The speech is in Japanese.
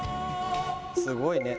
すごいね。